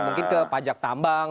mungkin ke pajak tambang